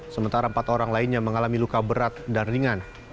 sementara empat orang lainnya mengalami luka berat dan ringan